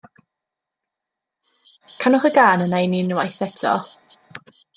Canwch y gân yna i ni unwaith eto.